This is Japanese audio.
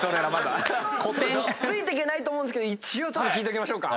ついてけないと思うんですけど一応聞いときましょうか。